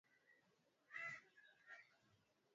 Alitafakari alichoambiwa na babu